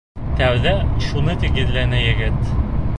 Тәүҙә шуны тигеҙләне егет.